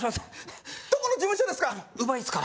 どこの事務所ですか？